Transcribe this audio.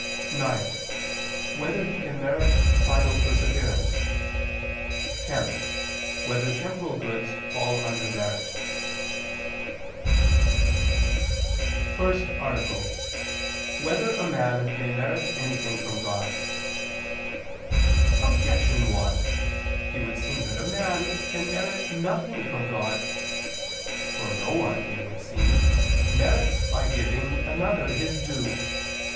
(9) Whether he can merit final perseverance? (10) Whether temporal goods fall under merit? ________________________ FIRST ARTICLE [I II, Q. 114, Art. 1] Whether a Man May Merit Anything from God? Objection 1: It would seem that a man can merit nothing from God. For no one, it would seem, merits by giving another his due.